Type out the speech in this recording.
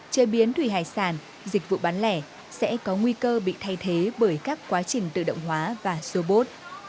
chế biến thủy hải sản dịch vụ bán lẻ sẽ có nguy cơ bị thay thế bởi các quá trình tự động hóa và robot